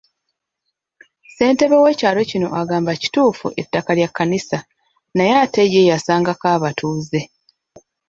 Ssentebe w'ekyalo kino agamba kituufu ettaka lya Kkanisa naye ate ye yasangako abatuuze.